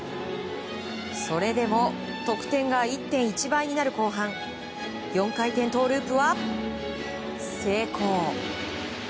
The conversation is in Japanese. それでも得点が１．１倍になる後半４回転トウループは成功！